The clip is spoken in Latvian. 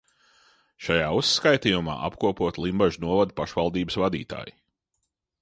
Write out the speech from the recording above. Šajā uzskaitījumā apkopoti Limbažu novada pašvaldības vadītāji.